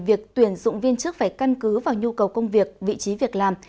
việc tuyển dụng viên chức phải căn cứ vào nhu cầu công việc vị trí việc làm